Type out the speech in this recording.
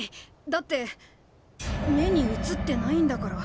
だって目に映ってないんだから。